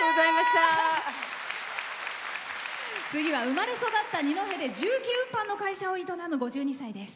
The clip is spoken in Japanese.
次は生まれ育った二戸で重機運搬の会社を営む５２歳です。